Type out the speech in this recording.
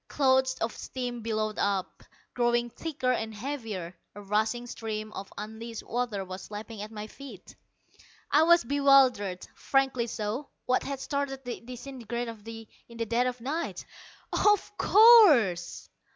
Clouds of steam billowed out, growing thicker and heavier. A rushing stream of unleashed water was lapping at my feet. I was bewildered, frankly so. What had started the disintegrator in the dead of night? "Of course!"